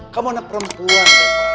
kamu anak perempuan